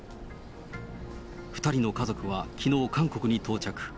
２人の家族はきのう韓国に到着。